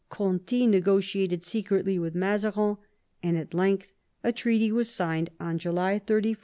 Conti negotiated secretly with Mazarin, and at length a treaty was signed on July 31, 1653.